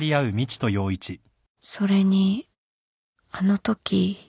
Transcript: それにあのとき